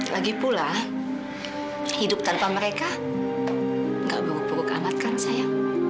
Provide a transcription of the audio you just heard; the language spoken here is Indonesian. tapi pula hidup tanpa mereka gak buruk buruk amat kan sayang